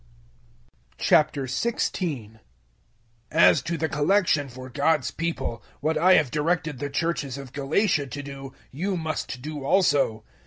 016:001 As to the collection for God's people, what I have directed the Churches of Galatia to do, you must do also.